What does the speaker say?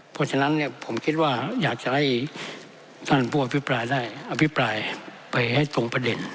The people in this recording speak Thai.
เพราะฉะนั้นเนี่ยผมคิดว่าอยากจะให้ท่านผู้อภิปรายได้อภิปรายไปให้ตรงประเด็น